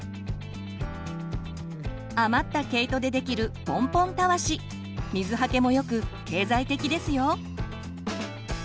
余った毛糸でできるポンポンたわし水はけもよく経済的ですよ。